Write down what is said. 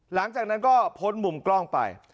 หลังจากนั้นก็พ้นมุมกล้องไป